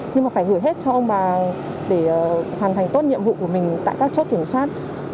nhưng mà phải gửi hết cho ông bà để hoàn thành tốt nhiệm vụ của mình tại các chốt kiểm soát